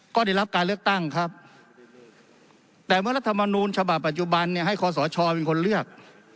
ก็ได้รับการเลือกตั้งแต่เมื่อรัฐธรรมนุนชะบัดปัจจุบันให้คศชเป็นคนเลือก